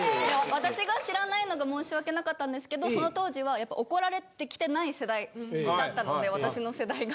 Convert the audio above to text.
私が知らないのが申し訳なかったんですけどその当時は怒られてきてない世代だったので私の世代が。